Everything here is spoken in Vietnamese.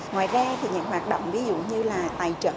ngoài ra thì những hoạt động ví dụ như là tài trợ